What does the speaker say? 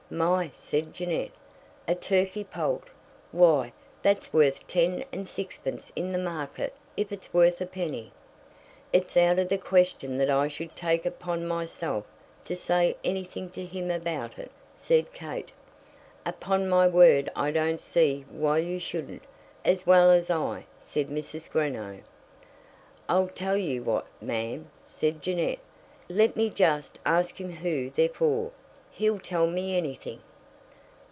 "My!" said Jeannette. "A turkey poult! Why, that's worth ten and sixpence in the market if it's worth a penny." "It's out of the question that I should take upon myself to say anything to him about it," said Kate. "Upon my word I don't see why you shouldn't, as well as I," said Mrs. Greenow. "I'll tell you what, ma'am," said Jeannette: "let me just ask him who they're for; he'll tell me anything."